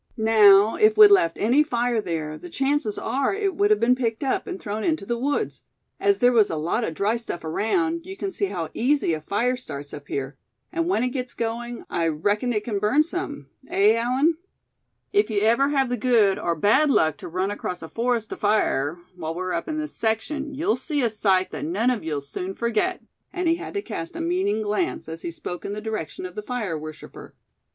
Now, if we'd left any fire there, the chances are it would have been picked up, and thrown into the woods. As there was a lot of dry stuff around, you can see how easy a fire starts up here. And when it once gets going, I reckon it can burn some, eh, Allan?" "If you ever have the good or bad luck to run across a forest afire, while we're up in this section, you'll see a sight that none of you'll soon forget," and he had to cast a meaning glance as he spoke in the direction of the fire worshipper.